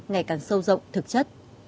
ngày càng sâu rộng thực chất